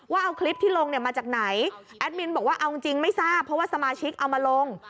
ว่าเอาคลิปที่ลงเนี่ยมาจากไหนแอดมินบอกว่าเอาจริงไม่ทราบเพราะว่าสมาชิกเอามาลง